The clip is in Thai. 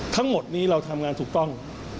ทั้งหมดนี้เราทำงานถูกต้อง